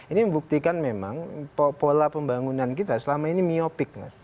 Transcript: ini membuktikan memang pola pembangunan kita selama ini miopik mas